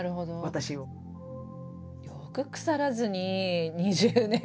よく腐らずに２０年。